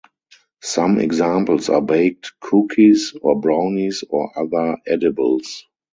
Some examples are baked cookies or brownies or other edibles.